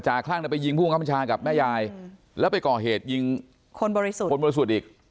คลั่งไปยิงผู้บังคับบัญชากับแม่ยายแล้วไปก่อเหตุยิงคนบริสุทธิ์คนบริสุทธิ์อีก